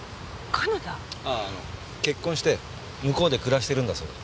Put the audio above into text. あああの結婚して向こうで暮らしているんだそうだ。